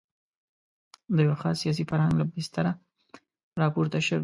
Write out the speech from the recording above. د یوه خاص سیاسي فرهنګ له بستره راپورته شوې.